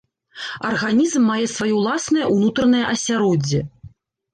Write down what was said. Арганізм мае сваё ўласнае ўнутранае асяроддзе.